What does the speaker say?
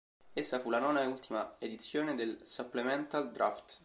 Essa fu la nona e ultima edizione del Supplemental Draft.